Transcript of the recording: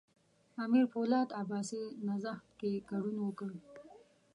امیر پولاد عباسي نهضت کې ګډون وکړ.